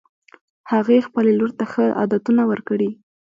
هغې خپلې لور ته ښه عادتونه ورکړي